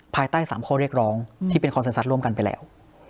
ภายใต้๓ข้อเรียกร้องที่เป็นคอนเซ็นทรัทร่วมกันไปแล้ว